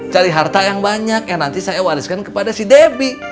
cari harta yang banyak yang nanti saya wariskan kepada si debbie